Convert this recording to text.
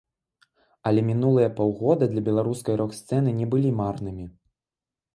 Але мінулыя паўгода для беларускай рок-сцэны не былі марнымі.